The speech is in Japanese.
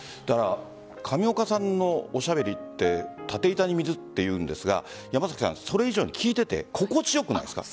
上岡さんのおしゃべりって立て板に水っていうんですがそれ以上に聞いていて心地良くないですか？